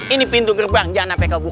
ini pintu gerbang jangan sampai kau bu